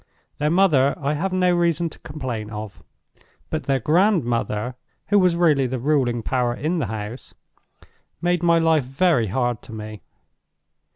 Their mother I have no reason to complain of. But their grandmother, who was really the ruling power in the house, made my life very hard to me.